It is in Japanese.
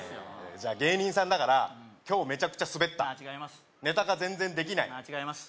じゃあ芸人さんだから今日メチャクチャスベったネタが全然できないああ違います